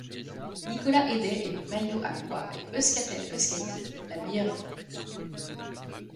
Nicolas Edet est le maillot à pois et Euskaltel Euskadi la meilleure équipe.